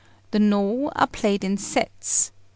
The Nô are played in sets.